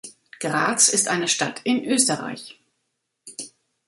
Graz ist eine Stadt in Österreich.